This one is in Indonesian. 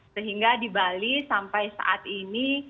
sehingga di bali sampai saat ini